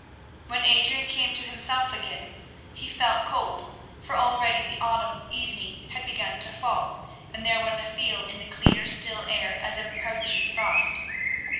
When Adrian came to himself again, he felt cold, for already the autumn evening had begun to fall, and there was a feel in the clear, still air as of approaching frost.